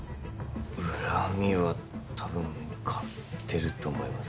恨みはたぶん買ってると思います